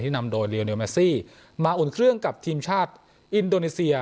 นำโดยเรียลแมซี่มาอุ่นเครื่องกับทีมชาติอินโดนีเซีย